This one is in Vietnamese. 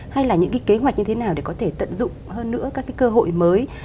hay là những kế hoạch như thế nào để có thể tận dụng hơn nữa các cơ hội mới